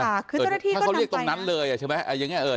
ถ้าเขาเรียกตรงนั้นเลยอ่ะใช่ไหม